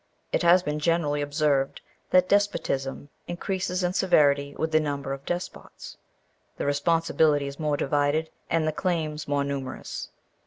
It has been generally observed that despotism increases in severity with the number of despots; the responsibility is more divided, and the claims more numerous.